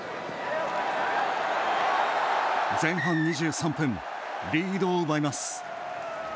前半２３分、リードを奪います。